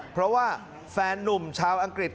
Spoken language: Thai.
เพราะว่าแฟนนุ่มชาวอังกฤษ